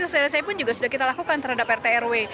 sosialisasi pun juga sudah kita lakukan terhadap rt rw